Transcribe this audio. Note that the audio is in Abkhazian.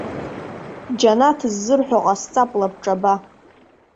Џьанаҭ ззырҳәо ҟасҵап лабҿаба.